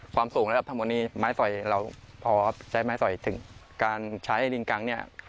สูงนะครับทั้งหมดนี้ไม้สอยเราพอใช้ไม้สอยถึงการใช้ลิงกังเนี่ย